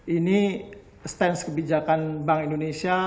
ini stance kebijakan bank indonesia